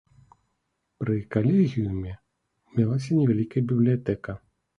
Пры калегіуме мелася невялікая бібліятэка.